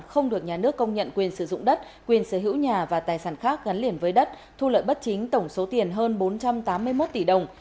không được nhà nước công nhận quyền sử dụng đất quyền sở hữu nhà và tài sản khác gắn liền với đất thu lợi bất chính tổng số tiền hơn bốn trăm tám mươi một tỷ đồng